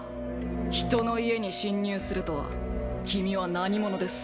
人の家に侵入するとは君は何者です？